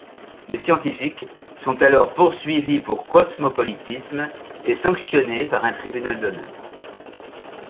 Les scientifiques sont alors poursuivis pour cosmopolitisme et sanctionnés par un tribunal d'honneur.